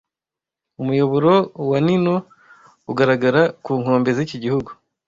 Umuyoboro wa Nino ugaragara ku nkombe z'iki gihugu